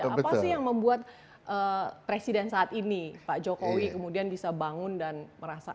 apa sih yang membuat presiden saat ini pak jokowi kemudian bisa bangun dan merasa